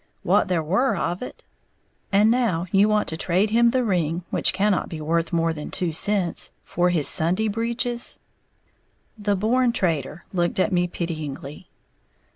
"What there were of it." "And now you want to trade him the ring, which cannot be worth more than two cents, for his Sunday breeches." The "born trader" looked at me pityingly.